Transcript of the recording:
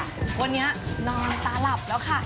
วันนี้นอนตาหลับแล้วค่ะ